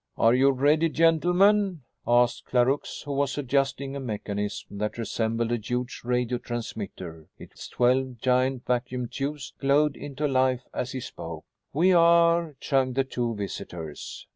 "Are you ready, gentlemen?" asked Clarux, who was adjusting a mechanism that resembled a huge radio transmitter. Its twelve giant vacuum tubes glowed into life as he spoke. "We are," chimed the two visitors.